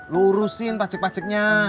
lu urusin pajek pajeknya